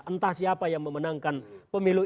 entah siapa yang memenangkan pemilu